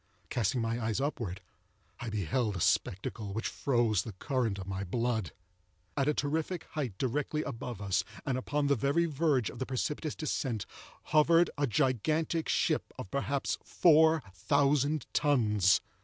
Casting my eyes upwards, I beheld a spectacle which froze the current of my blood. At a terrific height directly above us, and upon the very verge of the precipitous descent, hovered a gigantic ship of, perhaps, four thousand tons.